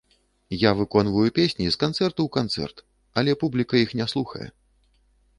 Я выконваю песні з канцэрту ў канцэрт, але публіка іх не слухае.